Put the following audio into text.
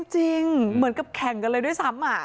จริงเหมือนกับแข่งกันเลยด้วยซ้ำ